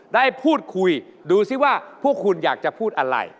ได้พูดคุยดูสิว่าพวกคุณอยากจะพูดอะไร